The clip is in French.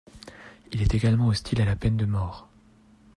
Il est également hostile à la peine de mort.